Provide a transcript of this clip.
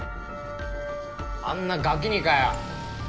あんなガキにかよ！